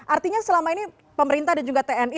artinya selama ini pemerintah dan juga tni